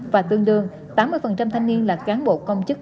và tương đương tám mươi thanh niên là cán bộ công chức